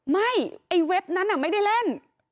ไอ้เว็บนั้นไม่ได้เล่น